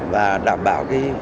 và đảm bảo